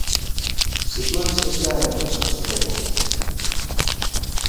Sitúanse xa en risco extremo.